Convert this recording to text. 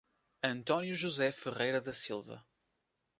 Antônio José Ferreira da Silva